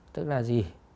tức là gì